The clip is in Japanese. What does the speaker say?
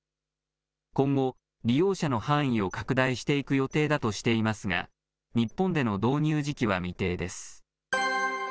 今後、利用者の範囲を拡大していく予定だとしていますが、日本での導入時期は未定です。